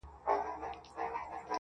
يوازي زه يمه چي ستا په حافظه کي نه يم